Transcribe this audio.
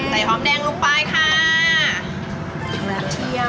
ใส่น้ำมันแดงใส่น้ำมันแดงลงไปค่ะ